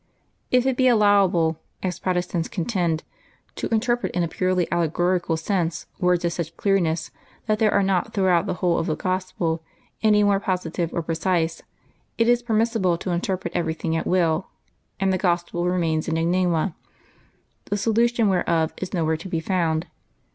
If it be allowable, as Prot estants contend, to interpret in a purely allegorical sense words of such clearness that there are not, throughout the whole of the Gospel, any more positive or precise, it is per missible to interpret everything at will, and the Gospel remains an enigma, the solution whereof is nowhere to be found.